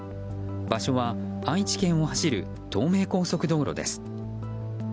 場所は愛知県を走る東名高速道路です。